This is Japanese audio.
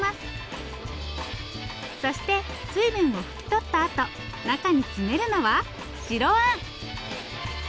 そして水分を拭き取ったあと中に詰めるのは白あん。